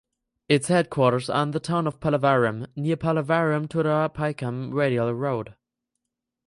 Its headquarters are in the town of Pallavaram near Pallavaram–Thuraipakkam Radial Road.